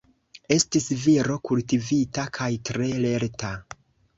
Estis viro kultivita kaj tre lerta.